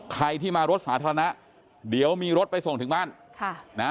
ใครที่มารถสาธารณะเดี๋ยวมีรถไปส่งถึงบ้านค่ะนะ